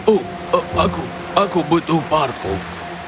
oh aku aku butuh parfum